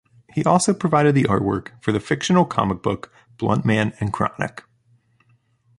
He also provides the artwork for the fictional comic book "Bluntman and Chronic".